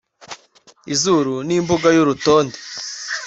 izuru ni imbuga y’urutonde,